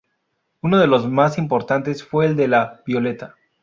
Uno de los más importantes fue el de La Violeta.